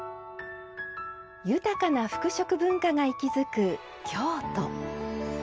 豊かな服飾文化が息づく京都。